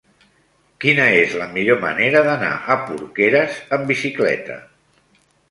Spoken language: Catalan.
Quina és la millor manera d'anar a Porqueres amb bicicleta?